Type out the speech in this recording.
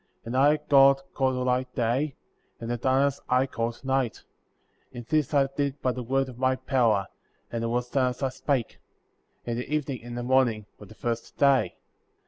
5. And I, God, called the light Day; and the darkness, I called Night ; and this I did by the word of my power,* and it was done as I spake; and the evening and the morning were the first day.